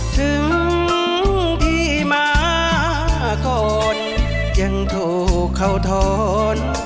ถึงพี่มาก่อนยังถูกเขาท้อน